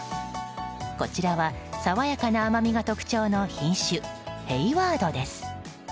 こちらは爽やかな甘みが特徴の品種ヘイワードです。